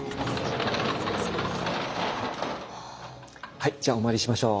はいじゃあお参りしましょう。